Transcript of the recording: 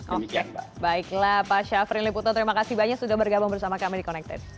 oke baiklah pak syafrin liputan terima kasih banyak sudah bergabung bersama kami di connected